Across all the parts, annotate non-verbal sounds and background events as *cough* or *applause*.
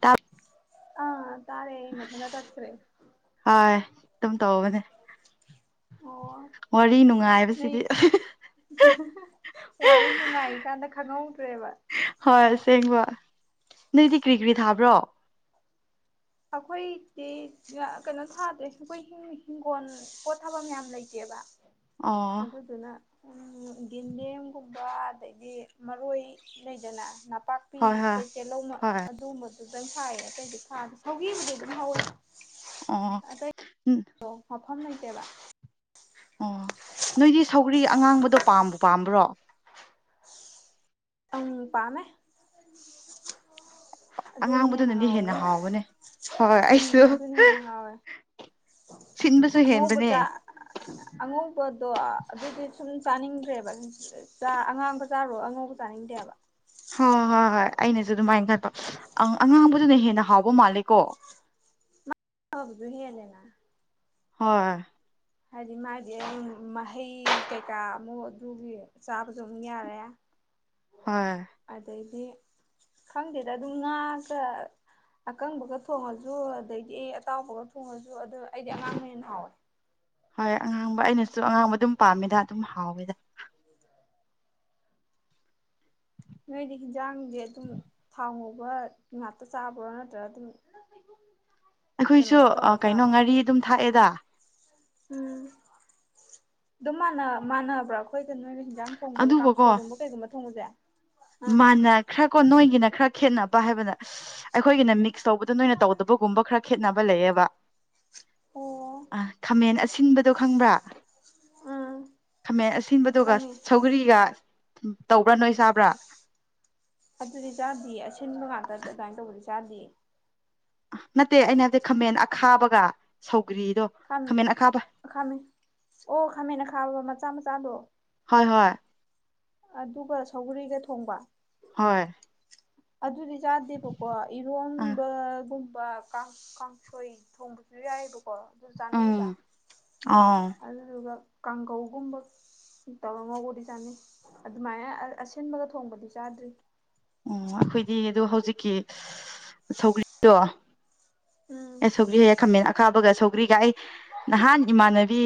ꯇꯥ ꯑꯥ ꯇꯥꯔꯦ ꯃꯊꯟꯗ ꯇꯠꯁ꯭ꯔꯦ ꯍꯣꯏ ꯑꯗꯨꯝ ꯇꯧꯕꯅꯦ ꯑꯣ ꯋꯥꯔꯤ ꯅꯣꯏ ꯅꯨꯡꯉꯥꯏꯕꯁꯤꯗꯤ ꯋꯥꯔꯤ ꯅꯨꯡꯉꯥꯏꯔꯤꯀꯥꯟꯗ ꯈꯪꯍꯧꯗ꯭ꯔꯦꯕ ꯍꯣꯏ ꯑꯁꯦꯡꯕ ꯅ‌ꯣꯏꯗꯤ ꯀ꯭ꯔꯤ ꯀ꯭ꯔꯤ ꯊꯥꯕ꯭ꯔꯣ ꯑꯩꯈꯣꯏꯗꯤ ꯀꯩꯅꯣ ꯊꯥꯗ‌ꯦ ꯑꯩꯈꯣꯏ ꯍꯤꯡꯒꯣꯜ ꯄꯣꯠ ꯊꯥꯐꯝ ꯌꯥꯝ ꯂꯩꯇꯦꯕ ꯑꯣ ꯑꯗꯨꯗꯨꯅ ꯌꯦꯟꯗꯦꯝꯒꯨꯝꯕ ꯑꯗꯩꯗꯤ ꯃꯔꯣꯏ ꯂꯩꯗꯅ ꯅꯄꯥꯛ ꯄꯤ ꯍꯣꯏ ꯍꯣꯏ ꯑꯗꯩ ꯇꯤꯜꯍꯧꯃ ꯍꯣꯏ ꯑꯗꯨꯒꯨꯝꯕꯗꯨꯗꯪ ꯊꯥꯏꯌꯦ ꯑꯇꯩꯗꯤ ꯊꯥꯗ‌ꯦ ꯁꯧꯒ꯭ꯔꯤ ꯕꯨꯗꯤ ꯑꯗꯨꯝ ꯍꯧꯋꯦ ꯑ ꯎꯝ ꯑꯣ ꯃꯐꯝ ꯂꯩꯇꯦꯕ ꯑꯣ ꯅꯣꯏꯗꯤ ꯁꯧꯒ꯭ꯔꯤ ꯑꯉꯥꯡꯕꯗꯣ ꯄꯥꯝꯕ ꯄꯥꯝꯕ꯭ꯔꯣ ꯎꯝ ꯄꯥꯝꯃꯦ ꯑꯗꯨꯅ ꯑꯉꯥꯡꯕꯗꯨꯅꯗꯤ ꯍꯦꯟꯅ ꯍꯥꯎꯋꯦꯉꯣ ꯍꯥꯎꯕꯅꯦ ꯍꯣꯏ ꯎꯝ ꯑꯩꯁꯨ ꯑꯗꯨꯅ ꯍꯦꯟꯅ ꯍꯥꯎꯋꯦ ꯁꯤꯟꯕꯁꯨ ꯍꯦꯟꯕꯅꯦ ꯑꯉꯧꯕ ꯑꯉꯧꯕꯗꯣ ꯑꯗꯨꯗꯤ ꯁꯨꯝ ꯆꯥꯅꯤꯡꯗ꯭ꯔꯦꯕ ꯑꯉꯥꯡꯕ ꯆꯥꯔꯣ ꯑꯉꯧꯕ ꯆꯥꯅꯤꯡꯗꯦꯕ ꯍꯣꯏ ꯍꯣꯏ ꯍꯣꯏ ꯑꯩꯅꯁꯨ ꯑꯗꯨꯃꯥꯏꯅ ꯈꯟꯕ ꯑꯉꯥꯡꯕꯗꯨꯅ ꯍꯦꯟꯅ ꯍꯥꯎꯕ ꯃꯥꯜꯂꯦ ꯀꯣ ꯐꯕꯁꯨ ꯍꯦꯂꯦꯅ ꯍꯣꯏ ꯍꯥꯏꯗꯤ ꯃꯥꯗꯤ ꯑꯗꯨ ꯃꯍꯩ ꯀꯩꯀꯥ ꯑꯃꯨꯛ ꯑꯗꯨꯒꯤ ꯆꯥꯕꯁꯨ ꯑꯗꯨꯃꯛ ꯌꯥꯔꯦ *inaudible* ꯍꯣꯏ ꯑꯗꯩꯗꯤ ꯈꯪꯗꯦꯗ ꯑꯗꯨꯝ ꯉꯥꯒ ꯑꯀꯪꯕꯒ ꯊꯣꯡꯉꯁꯨ ꯑꯗꯒꯤ ꯑꯇꯥꯎꯕꯒ ꯊꯣꯡꯉꯁꯨ ꯑꯗꯣ ꯑꯩꯗꯤ ꯑꯉꯥꯡꯕ ꯍꯦꯟꯅ ꯍꯥꯎꯋꯦ ꯍꯣꯏ ꯑꯉꯥꯡꯕ ꯑꯩꯅꯁꯨ ꯑꯉꯥꯡꯕ ꯑꯗꯨꯝ ꯄꯥꯝꯃꯦꯗ ꯑꯗꯨꯝ ꯍꯥꯎꯋꯦꯗ ꯎ ꯅꯣꯏꯗꯤ ꯍꯤꯟꯖꯥꯡꯁꯦ ꯑꯗꯨꯝ ꯊꯥꯎ ꯉꯧꯕ ꯉꯥꯛꯇ ꯆꯥꯕ꯭ꯔꯣ ꯅꯠꯇ꯭ꯔꯒ ꯑꯗꯨꯝ *inaudible* ꯀꯩꯅꯣ ꯑꯩꯈꯣꯏꯁꯨ ꯇꯧꯔ ꯀꯩꯅꯣ ꯆꯥꯕ꯭ꯔꯣ ꯉꯥꯔꯤ ꯑꯗꯨꯝ ꯊꯥꯛꯑꯦꯗ ꯎꯝ ꯑꯗꯨꯝ ꯃꯥꯟꯅꯕ꯭ꯔꯥ ꯑꯩꯈꯣꯏꯒ ꯅꯣꯏꯅ ꯌꯦꯟꯁꯥꯡ ꯊꯣꯡꯕꯁꯦ ꯑꯗꯨꯕꯨꯀꯣ ꯀꯥꯡꯁꯣꯏꯒꯨꯝꯕ ꯀꯩꯒꯨꯝꯕ ꯊꯣꯡꯕꯁꯦ ꯑꯥ ꯃꯥꯟꯅ ꯈ꯭ꯔ ꯀꯣ ꯅꯣꯏꯒꯤꯅ ꯈꯔ ꯈꯦꯠꯅꯕ ꯍꯥꯏꯕꯗ ꯑꯩꯈꯣꯏꯒꯤꯅ ꯃꯤꯛꯁ ꯇꯧꯕꯗꯣ ꯅꯣꯏꯅ ꯇꯧꯕꯗꯒꯨꯝꯕ ꯈꯔ ꯈꯦꯠꯅꯕ ꯂꯩꯌꯦꯕ ꯑꯣ ꯈꯃꯦꯟ ꯑꯁꯤꯟꯕꯗꯣ ꯈꯡꯕ꯭ꯔ ꯎꯝ ꯈꯃꯦꯟ ꯑꯁꯤꯟꯕ ꯑꯗꯨꯒ ꯈꯪꯉꯦ ꯁꯧꯒ꯭ꯔꯤꯒ ꯇꯧꯕ꯭ꯔꯥ ꯅꯣꯏ ꯆꯥꯕ꯭ꯔꯥ ꯑꯗꯨꯗꯤ ꯆꯥꯗꯤꯌꯦ ꯑꯁꯤꯟꯕ ꯉꯥꯛꯇ ꯑ ꯗꯥꯏꯟ ꯇꯧꯕꯗꯤ ꯆꯥꯗꯤꯌꯦ ꯅꯠꯇꯦ ꯑꯩꯅ ꯍꯥꯗꯤ ꯈꯥꯃꯦꯟ ꯑꯈꯥꯕꯒ ꯁꯧꯒ꯭ꯔꯤꯗꯣ ꯈꯥ ꯈꯥꯃꯦꯟ ꯑꯈꯥꯕ ꯈꯥꯃꯦꯟ ꯑꯣ ꯈꯥꯃꯦꯟ ꯈꯥꯕ ꯃꯆꯥ ꯃꯆꯥꯗꯣ ꯍꯣꯏ ꯍꯣꯏ ꯑꯗꯨꯒ ꯁꯧꯒꯔꯤꯒ ꯊꯣꯡꯕ ꯍꯣꯏ ꯑꯗꯨꯗꯤ ꯆꯥꯗꯦꯕꯀꯣ ꯑ ꯏꯔꯣꯟꯕꯒꯨꯝꯕ ꯀꯥꯡ ꯀꯥꯡꯁꯣꯏ ꯊꯣꯡꯕꯁꯨ ꯌꯥꯏꯕꯀꯣ ꯑꯗꯨ ꯆꯥꯅꯩꯌꯦꯕ ꯑꯥ ꯑꯗꯨꯗꯨꯒ ꯀꯥꯡꯒꯧꯒꯨꯝꯕ ꯁꯤꯇꯧꯔ ꯒꯣꯗꯤ ꯆꯥꯅꯩ ꯑꯗꯨꯃꯥꯏꯅ ꯑꯁꯤꯟꯕꯒ ꯊꯣꯡꯕꯗꯤ ꯆꯥꯗ꯭ꯔꯤ ꯑꯣ ꯑꯈꯣꯏꯗꯤ ꯑꯗꯣ ꯍꯧꯖꯤꯛꯀꯤ ꯁꯧꯒ꯭ꯔꯤꯗꯣ ꯎꯝ ꯑꯦ ꯁꯣꯒ꯭ꯔꯤ ꯈꯥꯝꯃꯦꯟ ꯑꯈꯥꯕꯒ ꯁꯧꯒ꯭ꯔꯤꯒ ꯑꯩ ꯅꯍꯥꯟ ꯏꯃꯥꯟꯅꯕꯤ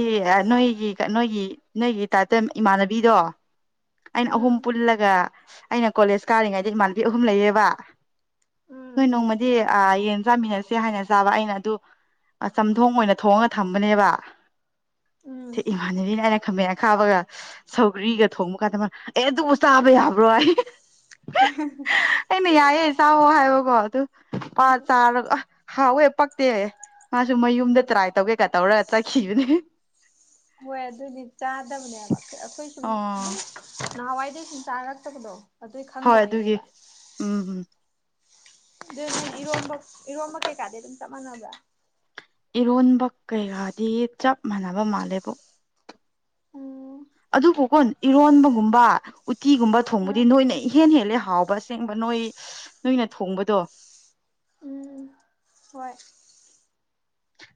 ꯅꯣꯏꯒꯤ ꯅꯣꯏꯒꯤ ꯅꯣꯏꯒꯤ ꯇꯥꯏꯞꯇ ꯏꯃꯥꯟꯅꯕꯤꯗꯣ ꯑꯩꯅ ꯑꯍꯨꯝ ꯎꯝ ꯄꯨꯜꯂꯒ ꯑꯩꯅ ꯀꯣꯂꯦꯖ ꯀꯥꯔꯤꯉꯩꯗ ꯏꯃꯥꯟꯕꯤ ꯑꯍꯨꯝ ꯂꯩꯌꯦꯕ ꯅꯣꯏ ꯎꯝ ꯅꯣꯡꯃꯗꯤ ꯑ ꯌꯦꯟ ꯆꯥꯃꯤꯟꯅꯁꯦ ꯍꯥꯏꯅ ꯆꯥꯕ ꯑꯩꯅ ꯑꯗꯨ ꯑ ꯆꯝꯊꯣꯡ ꯑꯣꯏꯅ ꯊꯣꯡꯉꯒ ꯊꯝꯕꯅꯦꯕ ꯎꯝ ꯊꯦꯏꯃ ꯃꯥꯟꯅꯕꯤꯅ ꯑꯩꯅ ꯈꯝꯃꯦ ꯑꯈꯥꯕꯒ ꯁꯧꯒ꯭ꯔꯤꯒ ꯊꯣꯡꯕ ꯀꯥꯟꯗ ꯑꯦ ꯑꯗꯨꯕꯨ ꯆꯥꯕ ꯌꯥꯕ꯭ꯔꯣ ꯑꯩ *unintelligible* ꯑꯩꯅ ꯌꯥꯏꯌꯦ ꯆꯥꯎ ꯋꯣ ꯁꯨꯝ ꯍꯥꯏꯕ ꯀꯣ ꯄꯥ ꯆꯥꯔꯒ ꯑ ꯍꯥꯎꯋꯦ ꯄꯛꯇꯦ ꯃꯥꯁꯨ ꯃꯌꯨꯝꯗ ꯇ꯭ꯔꯥꯏ ꯇꯧꯒꯦꯀ ꯇꯧꯔꯒ ꯆꯠꯈꯤꯕꯅꯦ ꯍꯣꯏ ꯑꯗꯨꯗꯤ ꯆꯥꯗꯕꯅꯦꯕ ꯑꯈꯣꯏ ꯁꯨꯝ ꯑꯣ ꯅꯅꯥꯋꯥꯏꯗꯒꯤ ꯁꯨꯝ ꯆꯥꯔꯛ ꯇꯕꯗꯣ ꯍꯣꯏ ꯑꯗꯨꯒꯤ ꯎꯝ ꯎꯝ ꯑꯗꯨ ꯅꯣꯏ ꯏꯔꯣꯟꯝꯕ ꯏꯔꯣꯟꯝꯕ ꯀꯩꯀꯥꯗꯤ ꯑꯗꯨꯝ ꯆꯞ ꯃꯥꯟꯅꯕ꯭ꯔꯥ ꯏꯔꯣꯟꯕ ꯀꯩꯔꯥꯗꯤ ꯆꯞ ꯃꯥꯟꯅꯕ ꯃꯥꯜꯂꯦꯕꯣ ꯎꯝ ꯑꯗꯨꯕꯨ ꯀꯣꯟ ꯏꯔꯣꯟꯕꯒꯨꯝꯕ ꯎꯇꯤꯒꯨꯝꯕ ꯊꯣꯡꯕꯗꯤ ꯎꯝ ꯅꯣꯏꯅ ꯏꯍꯦꯟ ꯍꯦꯜꯂꯦ ꯍꯥꯎꯕ ꯑꯁꯦꯡꯕ ꯅꯣꯏ ꯅꯣꯏꯅ ꯊꯣꯡꯕꯗꯣ ꯎꯝ ꯍꯣꯏ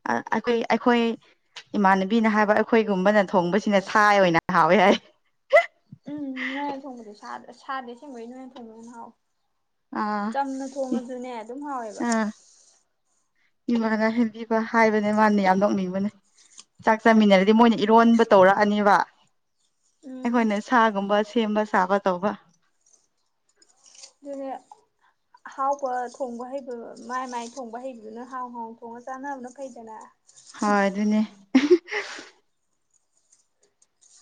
ꯑ ꯑꯩꯈꯣꯏ ꯑꯩꯈꯣꯏ ꯏꯃꯥꯟꯅꯕꯤꯅ ꯍꯥꯏꯕ ꯑꯩꯈꯣꯏꯒꯨꯝꯕꯅ ꯊꯣꯡꯕꯁꯤꯅ ꯁꯥꯏ ꯑꯣꯏꯅ ꯍꯥꯎꯋꯦ ꯍꯥꯏ ꯎꯝ ꯅꯣꯏ ꯊꯣꯡꯕꯖꯦ ꯁꯥꯗ ꯁꯗꯤ ꯑꯁꯦꯡꯕꯩ ꯅꯣꯏꯅ ꯊꯣꯡꯕ ꯍꯥꯎꯋꯦ ꯑꯥ ꯆꯝꯅ ꯊꯣꯡꯉꯖꯨꯅꯦ ꯑꯗꯨꯝ ꯍꯥꯎꯋꯦꯕ ꯑꯥ ꯏꯃꯥꯅ ꯍꯦꯟꯕꯤꯒꯣꯏ ꯍꯥꯏꯕꯅꯦ ꯃꯥꯅ ꯌꯥꯝ ꯅꯣꯛꯅꯤꯡꯕꯅꯦ ꯆꯥꯛ ꯆꯥꯃꯤꯟꯅꯔꯗꯤ ꯃꯣꯏꯅ ꯏꯔꯣꯟꯕ ꯇꯧꯔꯛꯑꯅꯦꯕ ꯎꯝ ꯑꯩꯈꯣꯏꯅ ꯁꯥꯒꯨꯝꯕ ꯁꯦꯝꯕ ꯁꯥꯕ ꯇꯧꯕ ꯑꯗꯨꯅꯦ ꯑꯍꯥꯎꯕ ꯊꯣꯡꯕ ꯍꯩꯕ ꯃꯥꯏ ꯃꯥꯏ ꯊꯣꯡꯕ ꯍꯩꯕꯗꯨꯅ ꯍꯥꯎ ꯍꯥꯎ ꯊꯣꯡꯉ ꯆꯥꯟꯅꯕꯅ ꯐꯩꯗꯅ ꯍꯣꯏ ꯑꯗꯨꯅꯦ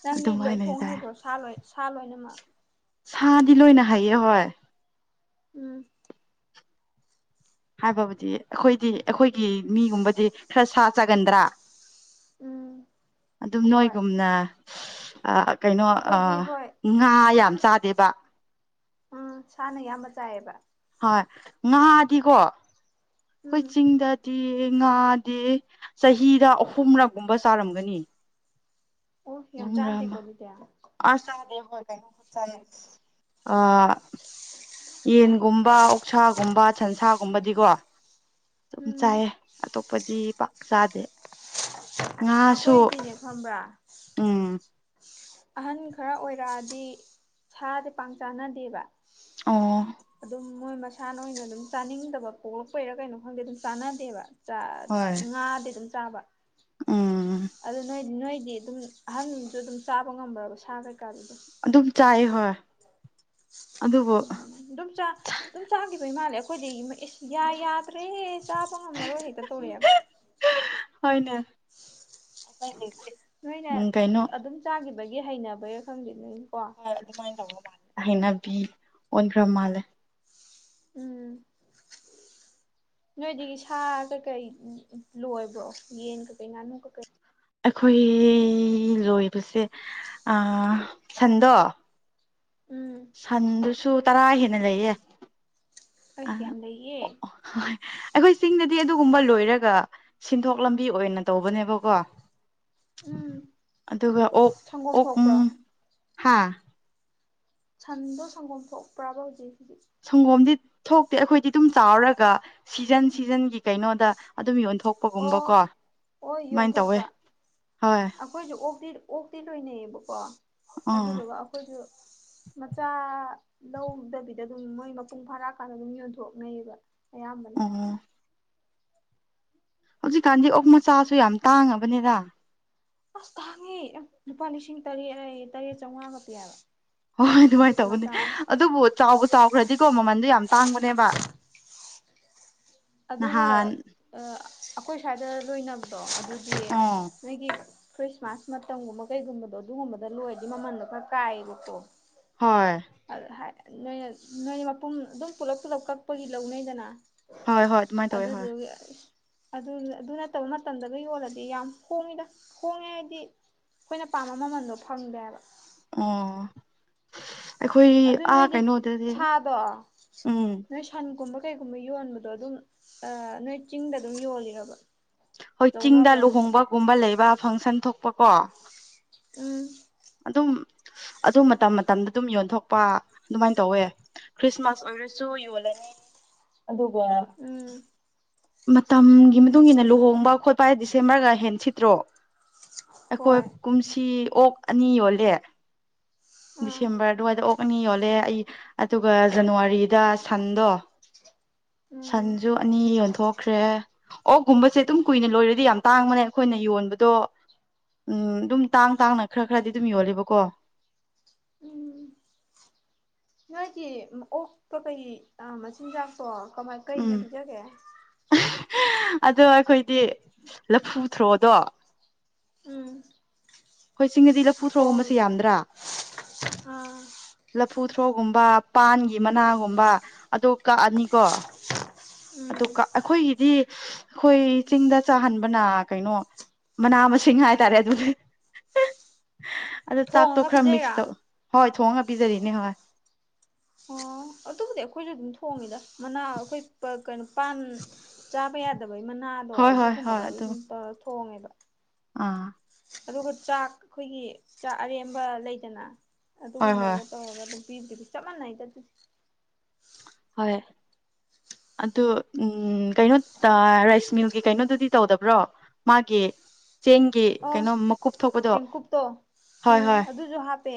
ꯅꯪꯗꯤ ꯂꯣꯏ ꯑꯗꯨꯃꯥꯏꯅ ꯊꯣꯡ ꯇꯥꯏ ꯍꯩꯕ꯭ꯔꯣ ꯁꯥ ꯂꯣꯏ ꯁꯥ ꯂꯣꯏꯅꯃꯛ ꯁꯥꯗꯤ ꯂꯣꯏꯅ ꯍꯥꯏꯌꯦ ꯍꯣꯏ ꯎꯝ ꯍꯥꯏꯕꯕꯨꯗꯤ ꯑꯩꯈꯣꯏꯗꯤ ꯑꯩꯈꯣꯏꯒꯤ ꯃꯤꯒꯨꯝꯕꯗꯤ ꯈꯔ ꯁꯥ ꯆꯥꯒꯟꯗ꯭ꯔꯥ ꯎꯝ ꯑꯗꯨꯝ ꯍꯣꯏ ꯅꯣꯏꯒꯨꯝꯅ ꯀꯩꯅꯣ ꯑꯩꯈꯣꯏꯗꯤ ꯍꯣꯏ ꯉꯥ ꯌꯥꯝ ꯆꯥꯗꯦꯕ ꯎꯝ ꯁꯥꯅ ꯑꯌꯥꯝꯕ ꯆꯥꯏꯑꯦꯕ ꯍꯣꯏ ꯉꯥꯗꯤꯀꯣ ꯑꯩꯈꯣꯏ ꯎꯝ ꯆꯤꯡꯗ ꯉꯥꯗꯤ ꯆꯍꯤꯗ ꯑꯍꯨꯝꯔꯛꯒꯨꯝꯕ ꯆꯥꯔꯝꯒꯅꯤ ꯑꯣ ꯌꯥꯝ ꯆꯥꯗꯦꯀꯣ ꯍ ꯑꯗꯨꯗꯤ ꯑꯁ ꯀ ꯑ *unintelligible* *unintelligible* *unintelligible* *unintelligible* ꯌꯦꯟꯒꯨꯝꯕ ꯑꯣꯛꯁꯥꯒꯨꯝꯕ ꯁꯟꯁꯥꯒꯨꯝꯕꯗꯤꯀꯣ ꯑꯗꯨꯝ ꯎꯝ ꯆꯥꯏꯌꯦ ꯑꯇꯣꯞꯄꯗꯤ ꯄꯥꯛ ꯆꯥꯗꯦ ꯉꯥꯁꯨ ꯑꯩꯈꯣꯏ ꯗꯤꯅꯦ ꯈꯪꯕ꯭ꯔꯥ ꯎꯝ ꯑꯍꯟ ꯈꯔ ꯑꯣꯏꯔꯛꯑꯗꯤ ꯁꯥꯁꯦ ꯄꯥꯛ ꯆꯥꯅꯗꯦꯕ ꯑꯣ ꯑꯗꯨꯝ ꯃꯣꯏ ꯃꯁꯥꯅ ꯑꯣꯏꯅ ꯑꯗꯨꯝ ꯆꯥꯅꯤꯡꯗꯕ ꯄꯣꯛꯂꯛꯄꯩꯔꯥ ꯀꯩꯅꯣ ꯈꯪꯗꯦ ꯑꯗꯨꯝ ꯆꯥꯟꯅꯗꯦꯕ ꯉꯥꯗꯤ ꯑꯗꯨꯝ ꯆꯥꯕ ꯎ ꯑꯗꯨ ꯅꯣꯏꯗꯤ ꯅꯣꯏꯗꯤ ꯑꯗꯨꯝ ꯑꯍꯟꯁꯨ ꯑꯗꯨꯝ ꯆꯥꯕ ꯉꯝꯕ꯭ꯔꯕ ꯁꯥ ꯀꯩꯀꯥꯗꯨ ꯑꯗꯨꯝ ꯑꯗꯨꯝ ꯆꯥꯏ ꯍꯣꯏ ꯑꯗꯨꯕꯨ ꯎꯝ ꯑꯗꯨꯝ ꯆꯥ ꯑꯗꯨꯝ ꯆꯥꯈꯤꯕꯩ ꯃꯥꯜꯂꯦ ꯑꯩꯈꯣꯏꯗꯤ ꯌꯥ ꯌꯥꯗ꯭ꯔꯦꯍꯦ ꯆꯥꯕ ꯉꯝꯃꯔꯣꯏ ꯍꯦꯛꯇ ꯇꯧꯔꯛꯑꯦꯕ ꯍꯣꯢꯅꯦ ꯅꯣꯏꯅ ꯑꯗꯨꯝ ꯆꯥꯈꯤꯕꯒꯤ ꯍꯩꯅꯕꯩꯔ ꯈꯪꯗꯦ ꯅꯣꯏ ꯀꯣ ꯍꯣꯏ ꯑꯗꯨꯃꯥꯏꯅ ꯇꯧꯕ ꯃꯥꯜꯂꯦ ꯍꯩꯅꯕꯤ ꯑꯣꯟꯈ꯭ꯔꯕ ꯃꯥꯜꯂꯦ ꯎꯝ ꯅꯣꯏꯗꯒꯤ ꯁꯥ ꯀꯩꯀꯩ ꯂꯣꯏꯕ꯭ꯔꯣ ꯌꯦꯟ ꯀꯩꯀꯩ ꯉꯥꯅꯨ ꯀꯩꯀꯩ ꯑꯩꯈꯣꯏ ꯂꯣꯏꯕꯁꯦ ꯁꯟꯗꯣ ꯁꯟꯗꯨꯁꯨ ꯇꯔꯥ ꯍꯦꯟꯅ ꯂꯩꯌꯦ ꯑ ꯑꯩꯁ ꯌꯥꯝ ꯂꯩꯌꯦ ꯍꯣꯏ ꯑꯩꯈꯣꯏ ꯆꯤꯡꯗꯗꯤ ꯑꯗꯨꯒꯨꯝꯕ ꯂꯣꯏꯔꯒ ꯁꯤꯟꯊꯣꯛ ꯂꯝꯕꯤ ꯑꯣꯏꯅ ꯇꯧꯕꯅꯦꯕꯀꯣ ꯎꯝ ꯑꯗꯨꯒ ꯑꯣꯛ ꯑꯣꯛ ꯍꯥꯥ ꯁꯟꯗꯣ ꯁꯪꯒꯣꯝ ꯊꯣꯛꯄ꯭ꯔꯕ ꯍꯧꯖꯤꯛ ꯍꯧꯖꯤꯛ ꯁꯪꯒꯣꯝꯗꯤ ꯊꯣꯛꯇꯦ ꯑꯩꯈꯣꯏꯗꯤ ꯑꯗꯨꯝ ꯆꯥꯎꯔꯒ ꯁꯤꯖꯟ ꯁꯤꯖꯟꯒꯤ ꯀꯩꯅꯣꯗ ꯑꯗꯨꯝ ꯌꯣꯟ ꯑꯣ ꯊꯣꯛꯄꯒꯨꯝꯕꯀꯣ ꯍꯣꯏ ꯑꯗꯨꯃꯥꯏꯅ ꯇꯧꯋꯦ ꯌꯣꯟꯊꯣꯛꯄ ꯍꯣꯏ ꯑꯩꯈꯣꯏꯁꯨ ꯑꯣꯛꯇꯤ ꯑꯣꯛꯇꯤ ꯂꯣꯏꯅꯩꯌꯦꯕꯀꯣ ꯑꯥ ꯑꯗꯨꯗꯨꯒ ꯑꯩꯈꯣꯏꯁꯨ ꯃꯆꯥ ꯂꯧꯗꯕꯤꯗ ꯑꯗꯨꯝ ꯃꯣꯏ ꯃꯄꯨꯡ ꯐꯥꯔꯛꯑꯀꯥꯟꯗ ꯑꯗꯨꯝ ꯌꯣꯟꯊꯣꯛꯅꯩꯌꯦꯕ ꯑꯌꯥꯝꯕꯅ ꯑꯣ ꯍꯧꯖꯤꯛꯀꯥꯟꯗꯤ ꯑꯣꯛ ꯃꯆꯥꯁꯨ ꯌꯥꯝ ꯇꯥꯡꯉꯕꯅꯤꯗ ꯑꯁ ꯇꯥꯡꯉꯦ ꯂꯨꯄꯥ ꯂꯤꯁꯤꯡ ꯇꯔꯦꯠ ꯇꯔꯦꯠ ꯆꯥꯎꯉꯥꯒ ꯄꯤ ꯌꯥꯕ ꯍꯣꯏ ꯍꯣꯏ ꯑꯗꯨꯃꯥꯏꯅ ꯇꯧꯕꯅꯦ ꯑꯗꯨꯕꯨ ꯆꯥꯎꯕꯨ ꯆꯥꯎꯈ꯭ꯔꯗꯤꯀꯣ ꯃꯃꯟꯗꯣ ꯌꯥꯝ ꯇꯥꯡꯕꯅꯦꯕ ꯑꯗꯨꯒ ꯅꯍꯥꯟ ꯑꯩꯈꯣꯏ ꯁ꯭ꯋꯥꯏꯗ ꯂꯣꯏꯅꯕꯗꯣ ꯑꯗꯨ ꯑꯗꯨꯗꯤ ꯑꯣ ꯅꯣꯢꯒꯤ ꯈ꯭ꯔꯤꯁꯃꯥꯁ ꯃꯇꯝꯒꯨꯝꯕ ꯀꯩꯒꯨꯝꯕꯗꯣ ꯑꯗꯨꯒꯨꯝꯕꯗ ꯂꯣꯏꯔꯗꯤ ꯃꯃꯟꯗꯣ ꯈꯔ ꯀꯥꯏꯌꯦꯕꯀꯣ ꯍꯣꯏ ꯑ ꯅꯣꯏꯅ ꯅꯣꯏ ꯃꯄꯨꯝ ꯑꯗꯨꯝ ꯄꯨꯂꯞ ꯄꯨꯂꯞ ꯀꯛꯄꯒꯤ ꯂꯧꯅꯩꯗꯅ ꯍꯣꯏ ꯍꯣꯏ ꯑꯗꯨꯃꯥꯏꯅ ꯇꯧꯋꯦ ꯍꯣꯏ ꯑꯗꯨꯗꯁꯨ ꯑꯗꯨ ꯑꯗꯨ ꯅꯠꯇꯕ ꯃꯇꯝꯗꯒ ꯌꯣꯜꯂꯗꯤ ꯌꯥꯝ ꯍꯣꯡꯉꯤꯗ ꯍꯣꯡꯉꯦ ꯍꯥꯏꯗꯤ ꯑꯩꯈꯣꯏꯅ ꯄꯥꯝꯕ ꯃꯃꯟꯗꯣ ꯐꯪꯗꯦꯕ ꯑꯣ ꯑꯩꯈꯣꯏ ꯑꯗꯨ ꯑꯥ ꯅꯣꯏꯗꯤ ꯀꯩꯅꯣꯗꯗꯤ ꯁꯥꯗꯣ ꯎꯝ ꯅꯣꯏ ꯁꯟꯒꯨꯝꯕ ꯀꯩꯒꯨꯝꯕ ꯌꯣꯟꯕꯗꯣ ꯑꯗꯨꯝ ꯅꯣꯏ ꯆꯤꯡꯗ ꯑꯗꯨꯝ ꯌꯣꯜꯂꯤꯔꯕ ꯍꯣꯏ ꯆꯤꯡꯗ ꯂꯧꯅꯕ꯭ꯔꯕ ꯂꯨꯍꯣꯡꯕꯒꯨꯝꯕ ꯂꯩꯕ ꯐꯪꯁꯟ ꯊꯣꯛꯄ ꯀꯣ ꯎꯝ ꯑꯗꯨꯝ ꯑꯗꯨ ꯃꯇꯝ ꯃꯇꯝꯗ ꯑꯗꯨꯝ ꯌꯣꯟꯊꯣꯛꯄ ꯑꯗꯨꯃꯥꯏꯅ ꯇꯧꯋꯦ ꯈ꯭ꯔꯤꯁꯃꯥꯁ ꯑꯣꯏꯔꯁꯨ ꯌꯣꯜꯂꯅꯤ ꯑꯗꯨꯒ ꯎꯝ ꯃꯇꯝꯒꯤ ꯃꯇꯨꯡ ꯏꯟꯅ ꯂꯨꯍꯣꯡꯕ ꯈꯣꯠꯄ ꯍꯥꯏ ꯗꯤꯁꯦꯝꯕꯔꯒ ꯍꯦꯟ ꯁꯤꯠꯇ꯭ꯔꯣ ꯑꯩꯈꯣꯏ ꯍꯣꯏ ꯀꯨꯝꯁꯤ ꯑꯣꯛ ꯑꯅꯤ ꯌꯣꯜꯂꯦ ꯑꯥ ꯗꯤꯁꯦꯝꯕꯔ ꯑꯗꯨꯋꯥꯏꯗ ꯑꯣꯛꯅꯤ ꯌꯣꯜꯂꯦ ꯑꯩ ꯑꯗꯨꯒ ꯖꯅꯋꯥꯔꯤꯗ ꯁꯟꯗꯣ ꯎꯝ ꯁꯟꯁꯨ ꯑꯅꯤ ꯌꯣꯟꯊꯣꯛꯈ꯭ꯔꯦ ꯑꯣꯒꯨꯝꯕꯁꯦ ꯑꯗꯨꯝ ꯀꯨꯏꯅ ꯂꯣꯏꯔꯗꯤ ꯌꯥꯝ ꯇꯥꯡꯕꯅꯦ ꯑꯩꯈꯣꯏꯅ ꯌꯣꯟꯕꯗꯣ ꯎꯝ ꯑꯗꯨꯝ ꯇꯥꯡ ꯇꯥꯡꯅ ꯈꯔ ꯈꯔꯗꯤ ꯑꯗꯨꯝ ꯌꯣꯂꯦꯕꯀꯣ ꯎꯝ ꯅꯣꯏꯒꯤ ꯑꯣꯛꯄ ꯀꯩ ꯃꯆꯤꯟꯖꯥꯛꯇꯣ ꯀꯃꯥꯏ ꯀꯩꯅ ꯎꯝ ꯄꯤꯖꯒꯦ ꯑꯗꯣ ꯑꯩꯈꯣꯏꯗꯤ ꯂꯐꯨ ꯊꯣꯔꯛꯑꯣꯗꯣ ꯎꯝ ꯍꯣꯏ ꯆꯤꯡꯅꯗꯤ ꯂꯐꯨ ꯊ꯭ꯔꯣꯒꯨꯝꯕꯁꯦ ꯌꯥꯝꯗ꯭ꯔꯥ ꯎꯝ ꯂꯐꯨ ꯊ꯭ꯔꯣꯒꯨꯝꯕ ꯄꯥꯟꯒꯤ ꯃꯅꯥꯒꯨꯝꯕ ꯑꯗꯨꯣ ꯀꯛꯑꯅꯤꯀꯣ ꯎꯝ ꯑꯗꯨꯒ ꯑꯩꯈꯣꯏꯒꯤꯗꯤ ꯑꯩꯈꯣꯏ ꯆꯤꯡꯗ ꯆꯥꯍꯟꯕꯅ ꯀꯩꯅꯣ ꯃꯅꯥ ꯃꯁꯤꯡ ꯍꯥꯏꯇꯥꯔꯦ ꯑꯗꯨꯗꯤ *unintelligible* ꯑꯗꯣ ꯆꯥꯛꯇꯣ ꯊꯣꯡꯉꯒ ꯈꯔ ꯃꯤꯛꯁ ꯄꯤꯖꯩꯔꯥ ꯇꯧ ꯍꯣꯏ ꯊꯣꯡꯉꯒ ꯄꯤꯖꯔꯤꯅꯦ ꯍꯣꯏ ꯑꯣ ꯑꯗꯨꯕꯨꯗꯤ ꯑꯩꯈꯣꯏꯁꯨ ꯑꯗꯨꯝ ꯊꯣꯡꯉꯤꯗ ꯃꯅꯥ ꯑꯩꯈꯣꯏ ꯀꯩꯅꯣ ꯄꯥꯟ ꯆꯥꯕ ꯌꯥꯗꯕꯩ ꯃꯅꯥꯗꯣ ꯍꯣꯏ ꯍꯣꯏ ꯍꯣꯏ ꯑꯗꯨꯒꯨꯝꯕꯒ ꯑꯗꯨ ꯑꯗꯨꯝ ꯇꯧꯔ ꯊꯣꯡꯉꯦꯕ ꯑꯥ ꯑꯗꯨꯒ ꯆꯥꯛ ꯑꯩꯈꯣꯏꯒꯤ ꯆꯥꯛ ꯑꯔꯦꯝꯕ ꯂꯩꯗꯅ ꯍꯣꯏ ꯍꯣꯏ ꯑꯗꯨꯒꯨꯝꯕꯒ ꯇꯧꯔꯒ ꯑꯗꯨꯝ ꯄꯗꯤ ꯆꯞꯃꯅꯩꯗ ꯑꯗꯨ ꯍ‌ꯣꯏ ꯑꯗꯨ ꯎꯝ ꯀꯩꯅꯣ ꯔꯥꯏꯁ ꯃꯤꯜꯒꯤ ꯀꯩꯅꯣꯗꯨꯗꯤ ꯇꯧꯗꯕ꯭ꯔꯣ ꯃꯥꯒꯤ ꯆꯦꯡꯒꯤ ꯑꯣ ꯀꯩꯅꯣ ꯃꯀꯨꯞ ꯊꯣꯛꯄꯗꯣ ꯆꯦꯡꯀꯨꯞꯇꯣ ꯍꯣꯏ ꯎꯝ ꯍꯣꯏ ꯑꯗꯨꯁꯨ ꯍꯥꯞꯄꯦ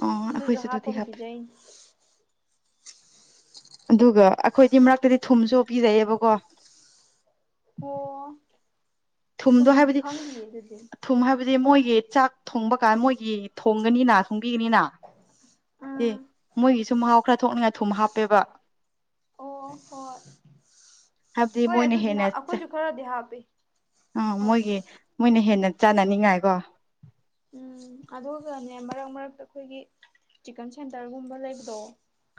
ꯑꯣ ꯑꯗꯨꯁꯨ ꯑꯩꯈꯣꯏꯁꯨ ꯗꯨꯗꯤ ꯍꯥꯞꯄꯒ ꯍꯥꯥꯞꯄ‌ꯦ ꯄꯤꯖꯩꯅꯤ ꯑꯗꯨꯒ ꯑꯩꯈꯣꯏꯗꯤ ꯃꯔꯛꯇꯗꯤ ꯊꯨꯝꯁꯨ ꯑꯣꯞꯄꯤꯤꯖꯩꯌꯦꯕꯀꯣ ꯑꯣ ꯊꯨꯝꯗꯣ ꯁꯨꯝꯗꯤ ꯍꯥꯏꯕꯗꯤ ꯈꯪꯗꯌꯦ ꯑꯗꯨꯗꯤ ꯊꯨꯝ ꯍꯥꯏꯕꯗꯤ ꯃꯣꯏꯒꯤ ꯆꯥꯛ ꯊꯣꯡꯕ ꯀꯥꯟ ꯃꯣꯏꯒꯤ ꯊꯣꯡꯒꯅꯤꯅ ꯊꯣꯡꯕꯤꯒꯅꯤꯅ ꯑꯦ ꯎꯝ ꯃꯣꯏꯒꯤꯁꯨ ꯃꯍꯥꯎ ꯈꯔ ꯊꯣꯛꯅꯤꯡꯉꯥꯏ ꯊꯨꯝ ꯍꯥꯞꯄꯦꯕ ꯑꯣ ꯍꯣꯏ ꯍꯥꯏꯕꯗꯤ ꯍꯣꯏ ꯃꯣꯏꯅ ꯑꯗꯨꯗꯤ ꯍꯦꯟꯅ ꯑꯩꯈꯣꯏꯁꯨ ꯈꯔꯗꯤ ꯍꯥꯞꯄꯤ ꯑꯥ ꯍꯣꯏ ꯃꯣꯏꯒꯤ ꯃꯣꯏꯅ ꯍꯦꯟꯅ ꯆꯥꯅꯅꯤꯡꯉꯥꯏꯀꯣ ꯎꯝ ꯑꯗꯨꯒꯅꯦ ꯃꯔꯛ ꯃꯔꯛꯇ ꯑꯩꯈꯣꯏꯒꯤ ꯆꯤꯛꯀꯟ ꯁꯦꯟꯇꯔꯒꯨꯝꯕ ꯂꯩꯕꯗꯣ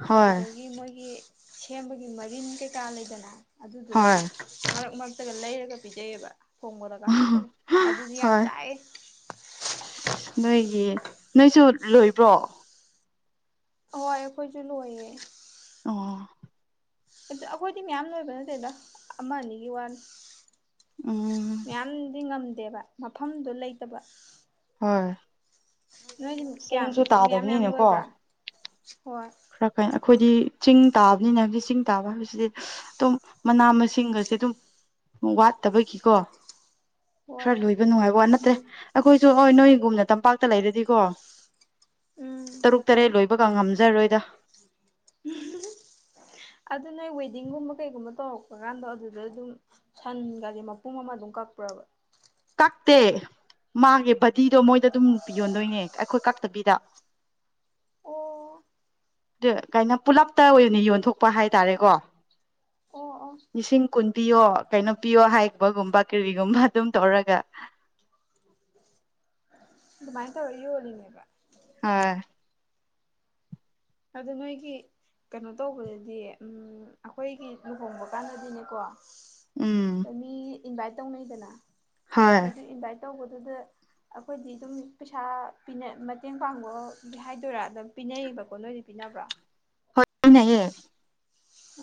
ꯍꯣꯏ ꯑꯗꯨꯗꯒꯤ ꯃꯣꯏꯒꯤ ꯁꯦꯝꯕꯒꯤ ꯃꯔꯤꯟ ꯀꯩꯀꯥ ꯂꯩꯗꯅ ꯑꯗꯨꯗꯨꯗ ꯍꯣꯏ ꯃꯔꯛ ꯃꯔꯛꯇꯒ ꯂꯩꯔꯒ ꯄꯤꯖꯩꯑꯦꯕ ꯊꯣꯡꯕꯗꯒ ꯍꯥꯞꯄꯒ ꯑꯗꯨꯗꯤ ꯌꯥꯝ ꯍꯣꯏ ꯆꯥꯏꯑꯦ ꯅꯣꯏꯒꯤ ꯅꯣꯏꯁꯨ ꯂꯣꯏꯕ꯭ꯔꯣ ꯑꯍꯣꯏ ꯑꯩꯈꯣꯏꯖꯨ ꯂꯣꯏꯌꯦ ꯑꯣ ꯑꯗꯨ ꯑꯩꯈꯣꯏꯗꯤ ꯃꯌꯥꯝ ꯂꯣꯏꯕ ꯅꯠꯇꯦꯗ ꯑꯃ ꯑꯅꯤꯒꯤ ꯋꯥꯅꯤ ꯎꯝ ꯃꯌꯥꯝꯗꯤ ꯉꯝꯗꯦꯕ ꯃꯐꯝꯗꯨ ꯂꯩꯇꯕ ꯍꯣꯏ ꯅꯣꯏꯒꯤ ꯀꯌꯥꯝ ꯆꯤꯡꯁꯨ ꯃꯌꯥꯝ ꯃꯌꯥꯝ ꯇꯥꯗꯕꯅꯤꯅꯀꯣ ꯂꯣꯏꯕ꯭ꯔꯥ ꯍꯣꯏ ꯈꯔ ꯀꯥꯏꯅ ꯑꯩꯈꯣꯏꯗꯤ ꯆꯤꯡ ꯇꯥꯕꯅꯤꯅ ꯍꯧꯖꯤ ꯆꯤꯡ ꯇꯥꯕ ꯍꯥꯏꯕꯁꯤꯗꯤ ꯇꯨꯝ ꯃꯅꯥ ꯃꯁꯤꯡꯒꯖꯦ ꯑꯗꯨꯝ ꯋꯥꯠꯇꯕꯒꯤꯀꯣ ꯍꯣꯏ ꯈꯔ ꯂꯣꯏꯕ ꯅꯨꯡꯉꯥꯏꯕ ꯋꯥ ꯅꯠꯇꯦ ꯑꯩꯈꯣꯏꯖꯨ ꯑꯣꯢ ꯅꯣꯏꯒꯨꯝꯅ ꯇꯝꯄꯥꯛꯇ ꯂꯩꯔꯗꯤꯀꯣ ꯎꯝ ꯇꯔꯨꯛ ꯇꯔꯦꯠ ꯂꯣꯏꯕꯒ ꯉꯝꯖꯔꯣꯏꯗ ꯑꯗꯨ ꯅꯣꯏ ꯋꯦꯗꯤꯡꯒꯨꯝꯕ ꯀꯩꯒꯨꯝꯕ ꯇꯧꯔꯛꯄ ꯀꯥꯟꯗ ꯑꯗꯨꯗ ꯑꯗꯨꯝ ꯁꯟꯒꯗꯤ ꯃꯄꯨꯝ ꯑꯃ ꯑꯗꯨꯝ ꯀꯛꯄ꯭ꯔꯕ ꯀꯛꯇꯦ ꯃꯥꯒꯤ ꯕꯗꯤꯗꯣ ꯃꯣꯏꯗ ꯑꯗꯨꯝ ꯄꯤ ꯌꯣꯟꯗꯣꯏꯅꯦ ꯑꯩꯈꯣꯏ ꯀꯛꯇꯕꯤꯗ ꯑꯣ ꯑꯗꯨ ꯀꯥꯏꯅꯣ ꯄꯨꯂꯞꯇ ꯑꯣꯏꯅ ꯌꯣꯟꯊꯣꯛꯄ ꯍꯥꯏꯇꯥꯔꯦꯀꯣ ꯑꯣ ꯑꯣ ꯂꯤꯁꯤꯡ ꯀꯨꯟ ꯄꯌꯣ ꯀꯩꯅꯣ ꯄꯤꯌꯣ ꯍꯥꯏꯕꯒꯨꯝꯕ ꯀꯔꯤꯒꯨꯝꯕ ꯑꯗꯨꯝ ꯇꯧꯔꯒ ꯑꯗꯨꯃꯥꯏꯅ ꯇꯧꯔꯒ ꯌꯣꯜꯂꯤꯅꯦꯕ ꯍꯣꯏ ꯑꯗꯨ ꯅꯣꯏꯒꯤ ꯀꯩꯅꯣ ꯇꯧꯕꯗꯗꯤ ꯎꯝ ꯑꯩꯈꯣꯏꯒꯤ ꯂꯨꯍꯣꯡꯕ ꯀꯥꯟꯗꯗꯤꯅꯦꯀꯣ ꯎꯝ ꯃꯤ ꯏꯟꯚꯥꯏꯠ ꯇꯧꯅꯩꯗꯅ ꯍꯣꯏ ꯑꯗꯨ ꯏꯟꯚꯥꯏꯠ ꯇꯧꯕꯗꯨꯗ ꯑꯩꯈꯣꯏꯗꯤ ꯑꯗꯨꯝ ꯄꯩꯁꯥ ꯄꯤꯅ ꯃꯇꯦꯡ ꯄꯥꯡꯕ ꯑꯗꯤ ꯍꯥꯏꯗꯣꯏꯔꯥ ꯑꯗꯨꯝ ꯄꯤꯅꯩꯌꯦꯕ ꯀꯣ ꯅꯣꯏꯗꯤ ꯄꯤꯅꯕ꯭ꯔꯥ ꯍꯣꯏ ꯄꯤꯅꯩꯌꯦ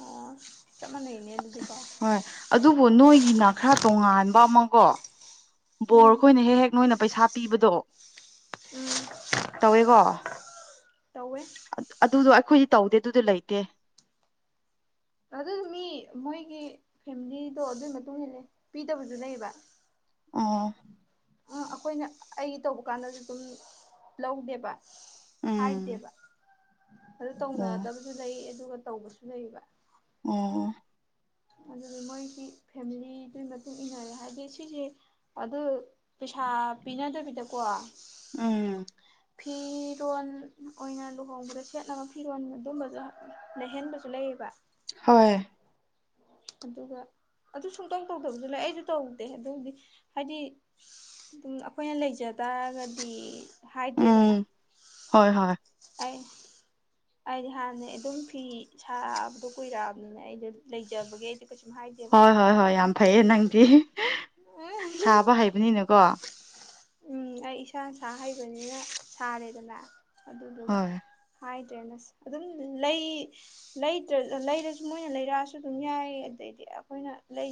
ꯑꯣ ꯆꯞ ꯃꯥꯟꯅꯩꯅꯦ ꯑꯗꯨꯗꯤꯀꯣ ꯍꯣꯏ ꯑꯗꯨꯕꯨ ꯅꯣꯏꯒꯤꯅ ꯈꯔ ꯇꯣꯉꯥꯟꯕ ꯑꯃꯀꯣ ꯕꯣꯔ ꯎꯝ ꯈꯣꯏꯅ ꯍꯦꯛ ꯍꯦꯛ ꯅꯣꯏꯅ ꯄꯩꯁꯥ ꯄꯤꯕꯗꯣ ꯎꯝ ꯇꯧꯋꯦꯀꯣ ꯇꯧꯋꯦ ꯑꯗꯨꯗꯣ ꯑꯩꯈꯣꯏꯗꯤ ꯇꯧꯗꯦ ꯑꯗꯨꯗꯤ ꯂꯩꯇꯦ ꯑꯗꯨꯗꯣ ꯃꯤ ꯃꯣꯏꯒꯤ ꯐꯦꯝꯂꯤꯗꯣ ꯑꯗꯨꯢ ꯃꯇꯨꯡ ꯏꯟꯂꯦ ꯄꯤꯗꯕꯖꯨ ꯂꯩꯌꯦꯕ ꯑꯣ ꯑ ꯑꯩꯈꯣꯏꯅ ꯑꯩꯒꯤ ꯇꯧꯕ ꯀꯥꯟꯗꯁꯨ ꯑꯗꯨꯝ ꯂꯧꯗꯦꯕ ꯎꯝ ꯍꯥꯏꯗꯦꯕ ꯑꯗꯨ ꯑꯣ ꯇꯧꯅꯗꯕꯖꯨ ꯂꯩ ꯑꯗꯨꯒ ꯇꯧꯕꯁꯨ ꯂꯩꯌꯦꯕ ꯑꯣ ꯑꯗꯨꯅ ꯃꯣꯏꯒꯤ ꯐꯦꯝꯂꯤꯗꯨꯢ ꯃꯇꯨꯡ ꯏꯟꯅꯔꯦ ꯍꯥꯏꯗꯤ ꯁꯤꯖꯦ ꯑꯗꯨ ꯄꯩꯁꯥ ꯄꯤꯅꯗꯕꯤꯗꯀꯣ ꯎꯝ ꯐꯤꯔꯣꯟ ꯑꯣꯏꯅ ꯂꯨꯍꯣꯡꯕꯗ ꯁꯦꯠꯅꯕ ꯐꯤꯔꯣꯟ ꯑꯗꯨꯝꯕꯒ ꯂꯩꯍꯟꯕꯖꯨ ꯂꯩꯌꯦꯕ ꯍꯣꯏ ꯑꯗꯨꯒ ꯑꯗꯨ ꯁꯨꯡꯇꯧ ꯇꯧꯗꯕꯁꯨ ꯂꯩ ꯑꯩꯁꯨ ꯇꯧꯗꯦ ꯑꯗꯨꯕꯨꯗꯤ ꯍꯥꯏꯗꯤ ꯑꯗꯨꯝ ꯑꯩꯈꯣꯏꯅ ꯂꯩꯖ ꯇꯔꯒꯗꯤ ꯎꯝ ꯍꯥꯏꯗ꯭ꯔꯦꯗꯅ ꯍꯣꯏ ꯍꯣꯏ ꯑꯩ ꯑꯩꯗꯤ ꯍꯥꯟꯅ ꯑꯗꯨꯝ ꯐꯤ ꯁꯥꯕꯗꯣ ꯀꯨꯏꯔꯛꯑꯕꯅꯤꯅ ꯑꯩꯗꯣ ꯂꯩꯖꯕꯒꯤꯦ ꯑꯩ ꯀꯩꯁꯨ ꯍꯥꯏꯗꯦ ꯍꯣꯏ ꯍꯣꯏ ꯍꯣꯏ ꯌꯥꯝ ꯐꯩꯌꯦ ꯅꯪꯗꯤ ꯁꯥꯕ ꯍꯩꯕꯅꯤꯅꯀꯣ ꯎꯝ ꯑꯩ ꯏꯁꯥ ꯏꯁꯥ ꯍꯩꯕꯅꯤꯅ ꯁꯥꯔꯦꯗꯅ ꯑꯗꯨꯗꯨꯒ ꯍꯣꯏ ꯍꯥꯏꯗ꯭ꯔꯦꯅꯦꯁ ꯑꯗꯨꯝ ꯂꯩ ꯂꯩ ꯂꯩꯔꯁꯨ ꯃꯣꯏꯅ ꯂꯩꯔꯛꯑꯁꯨ ꯑꯗꯨꯝ ꯌꯥꯏ ꯑꯗꯩꯗꯤ ꯑꯩꯈꯣꯏꯅ ꯂꯩ